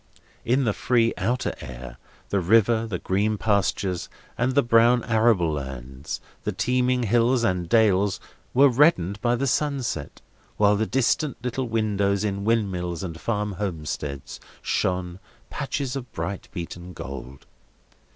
In the free outer air, the river, the green pastures, and the brown arable lands, the teeming hills and dales, were reddened by the sunset: while the distant little windows in windmills and farm homesteads, shone, patches of bright beaten gold.